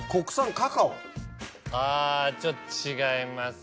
あちょっと違います。